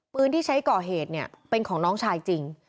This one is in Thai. ปืนที่ใช้ก่อเหตุเนี่ยเป็นของน้องชายจริง